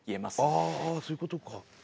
あそういうことか。